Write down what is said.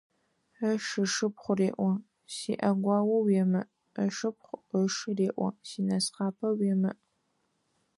Ышы ышыпхъу реӀо: «СиӀэгуао уемыӀ», ышыпхъу ышы реӀо: «Синысхъапэ уемыӀ».